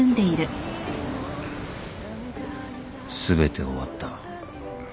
［全て終わった］